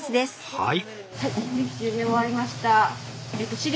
はい。